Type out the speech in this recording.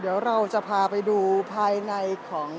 เดี๋ยวจะให้ดูว่าค่ายมิซูบิชิเป็นอะไรนะคะ